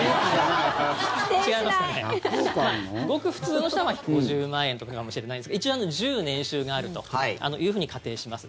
ごく普通の人は５０万円とかかもしれないですけど一応１０年収があるというふうに仮定します。